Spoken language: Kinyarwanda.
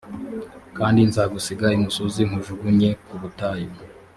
kandi nzagusiga imusozi nkujugunye ku butayu